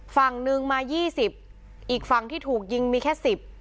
ฝั่งหนึ่งมา๒๐อีกฝั่งที่ถูกยิงมีแค่๑๐